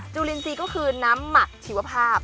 จุลินทรีย์ก็คือน้ำหมักชีวภาพ